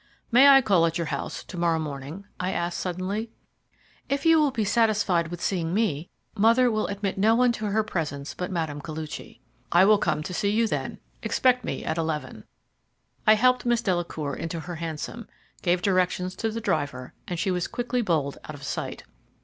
"May I call at your house to morrow morning?" I asked suddenly. "If you will be satisfied with seeing me. Mother will admit no one to her presence but Mme. Koluchy." "I will come to see you then; expect me at eleven." I helped Miss Delacour into her hansom, gave directions to the driver, and she was quickly bowled out of sight.